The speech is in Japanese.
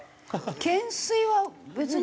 懸垂は別に。